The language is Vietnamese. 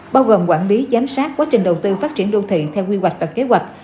bao gồm quản lý giám sát quá trình đầu tư phát triển đô thị theo quy hoạch và kế hoạch